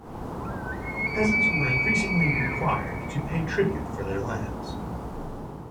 Peasants were increasingly required to pay tribute for their lands.